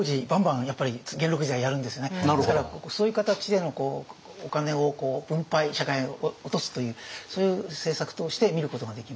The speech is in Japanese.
ですからそういう形でのお金を分配社会に落とすというそういう政策として見ることができますよね。